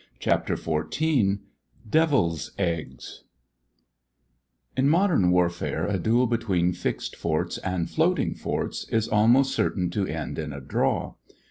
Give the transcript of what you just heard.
CHAPTER XIV "DEVIL'S EGGS" In modern warfare a duel between fixed forts and floating forts is almost certain to end in a draw.